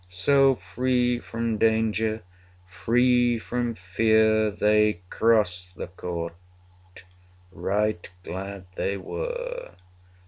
So free from danger, free from fear, They crossed the court: right glad they were.